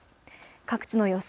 各地の予想